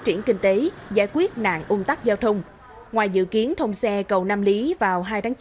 triển kinh tế giải quyết nạn ung tắc giao thông ngoài dự kiến thông xe cầu nam lý vào hai tháng chín